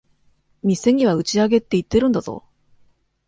店には打ち上げって言ってるんだぞ。